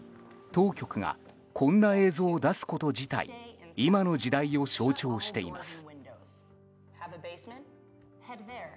当局がこんな映像を出すこと自体今の時代を象徴しています。